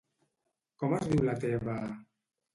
Com es diu la teva...?